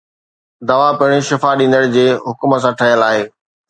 دوا پڻ شفا ڏيندڙ جي حڪم سان ٺهيل آهي